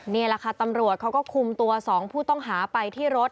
นี่แหละค่ะตำรวจเขาก็คุมตัว๒ผู้ต้องหาไปที่รถ